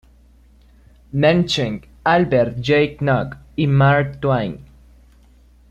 Mencken, Albert Jay Nock, y Mark Twain".